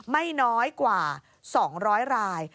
ไม่น้อยกว่า๒๐๐ราย